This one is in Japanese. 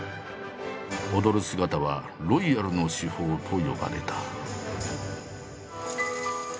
踊る姿は「ロイヤルの至宝」と呼ばれた。